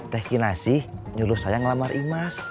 tegi nasi nyuruh saya ngelamar imas